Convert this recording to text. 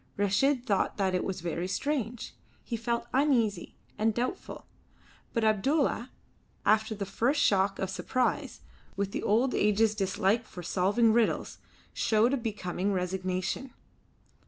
Reshid thought that it was very strange. He felt uneasy and doubtful. But Abdulla, after the first shock of surprise, with the old age's dislike for solving riddles, showed a becoming resignation.